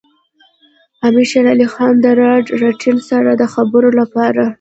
امیر شېر علي خان د لارډ لیټن سره د خبرو لپاره.